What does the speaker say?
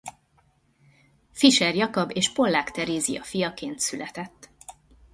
Fischer Jakab és Pollák Terézia fiaként született.